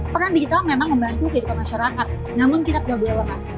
perang digital memang membantu kehidupan masyarakat namun kita tidak boleh lengah